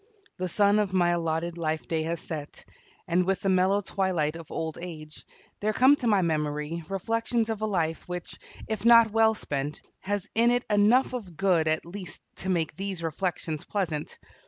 The sun of my allotted life day has set, and with the mellow twilight of old age there come to my memory reflections of a life which, if not well spent, has in it enough of good at least to make these reflections pleasant.